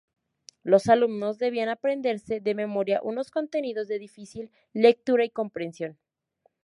Los alumnos debían aprenderse de memoria unos contenidos de difícil lectura y comprensión.